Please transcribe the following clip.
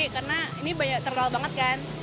karena ini terlalu banget kan